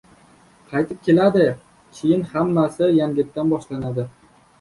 Qaytib keladi. Keyin hammasi yangitdan boshlanadi.